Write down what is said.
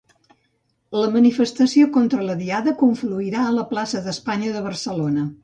La manifestació contra la Diada confluirà a la plaça d'Espanya de Barcelona.